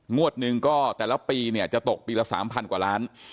งวดหนึ่งก็แต่ละปีเนี่ยจะตกปีละ๓๐๐กว่าล้าน